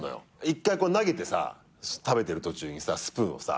一回投げてさ食べてる途中にスプーンを。